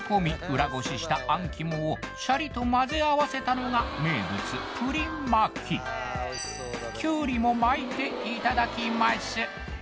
裏ごししたあん肝をシャリとまぜ合わせたのが名物プリン巻きキュウリも巻いていただきます